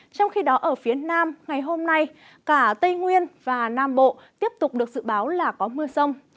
trong khi đó ở phía nam ngày hôm nay cả tây nguyên và nam bộ tiếp tục được dự báo là có mưa rông